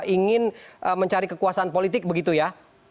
ingin mencari kekuasaan politik begitu ya